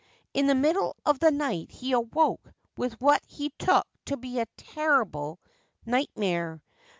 In the middle of the night he awoke with what he took to be a terrible nightmare.